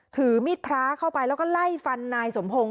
ถือมีดพระเข้าไปแล้วก็ไล่ฟันนายสมพงศ